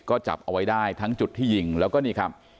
ก็จับเอาไว้ได้ทั้งจุดที่ยิงแล้วก็นี่ครับ